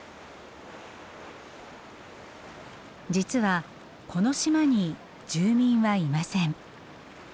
実はこの島に住民はいません。